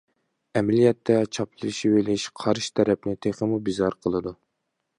ئەمەلىيەتتە چاپلىشىۋېلىش قارشى تەرەپنى تېخىمۇ بىزار قىلىدۇ.